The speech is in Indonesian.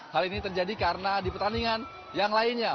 hal ini terjadi karena di pertandingan yang lainnya